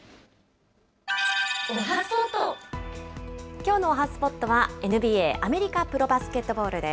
きょうのおはＳＰＯＴは、ＮＢＡ・アメリカプロバスケットボールです。